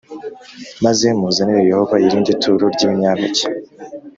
maze muzanire Yehova irindi turo ry ibinyampeke